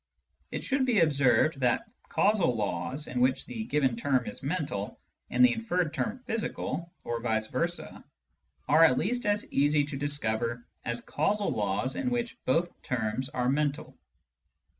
It should be observed that causal laws in which the given term is mental and the inferred term physical, or vice versay are at least as easy to discover as causal laws in which both terms are mental.